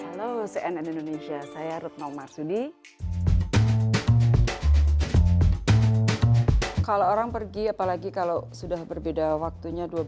halo cnn indonesia saya retno marsudi kalau orang pergi apalagi kalau sudah berbeda waktunya